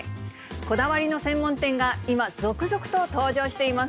こだわりの専門店が今、続々と登場しています。